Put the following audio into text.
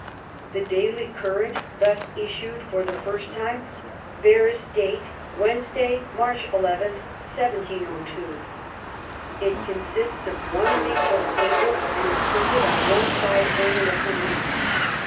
The Daily Courant, thus issued for the first time, bears date Wednesday, March 11, 1702. It consists of one leaf of paper, and is printed on one side only of the leaf.